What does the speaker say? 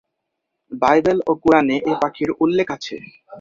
Bible ও কুরআনে এই পাখির উল্লেখ আছে।